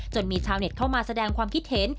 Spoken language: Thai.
มีชาวเน็ตเข้ามาแสดงความคิดเห็น